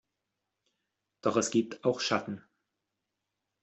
Doch es gibt auch Schatten.